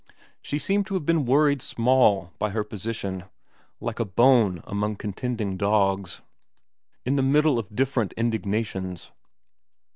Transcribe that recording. She seemed to have been worried small by her position, like a bone among contending dogs, in the middle of different indignations.